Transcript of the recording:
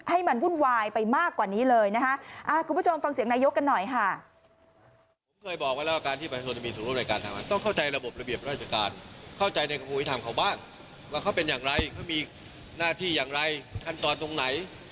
ให้มันวุ่นวายไปมากกว่านี้เลยนะคะคุณผู้ชมฟังเสียงนายกกันหน่อยค่ะ